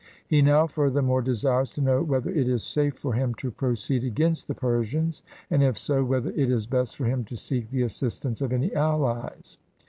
He now furthermore desires to know whether it is safe for 312 HOW CYRUS WON THE LAND OF GOLD him to proceed against the Persians, and if so, whether it is best for him to seek the assistance of any allies."